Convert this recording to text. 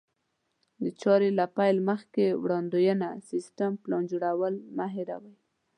د چارې له پيل مخکې وړاندوینه، سيستم، پلان جوړول مه هېروئ.